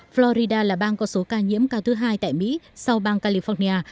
florida là bang có số ca nhiễm cao thứ hai tại mỹ sau bang california